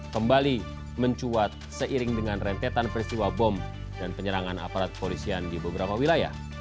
kembali mencuat seiring dengan rentetan peristiwa bom dan penyerangan aparat polisian di beberapa wilayah